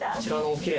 きれい！